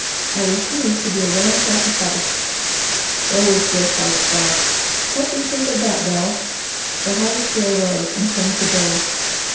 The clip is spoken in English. I refuse to be a willing sacrifice. 'So was Bill Sikes' dog!' What do you think of that, Bel?" The Harvester arose and turned to go.